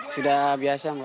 sudah biasa mbak